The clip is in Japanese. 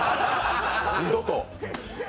二度と。